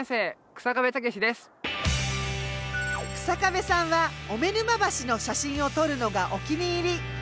日下部さんは小目沼橋の写真を撮るのがお気に入り。